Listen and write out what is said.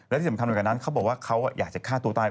และที่สำคัญไปกว่านั้นเขาบอกว่าเขาอยากจะฆ่าตัวตาย